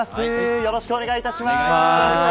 よろしくお願いします。